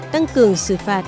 tăng cường xử phạt